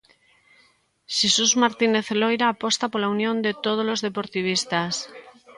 Xesús Martínez Loira aposta pola unión de todos os deportivistas.